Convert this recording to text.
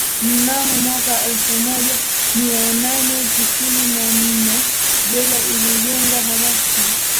Mnamo mwaka elfu moja mia nane tisini na nne jela ilijengwa rasmi